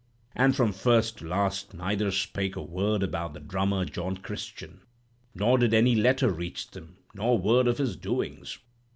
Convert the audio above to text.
And from first to last neither spake a word about the drummer, John Christian; nor did any letter reach them, nor word of his doings.